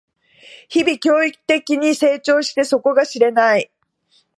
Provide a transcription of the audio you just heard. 日々、驚異的に成長して底が知れない